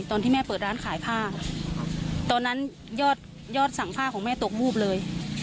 ตอนที่แม่เปิดร้านขายผ้าตอนนั้นยอดยอดสั่งผ้าของแม่ตกวูบเลย